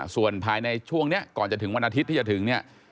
ส่วนภายในช่วงนี้ก่อนจะถึงวันอาทิตย์ที่จะถึงเนี่ย